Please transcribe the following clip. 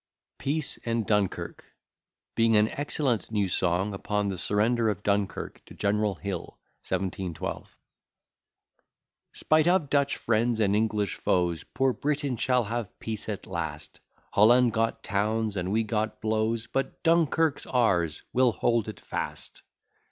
] PEACE AND DUNKIRK BEING AN EXCELLENT NEW SONG UPON THE SURRENDER OF DUNKIRK TO GENERAL HILL 1712 To the tune of "The King shall enjoy his own again." Spite of Dutch friends and English foes, Poor Britain shall have peace at last: Holland got towns, and we got blows; But Dunkirk's ours, we'll hold it fast.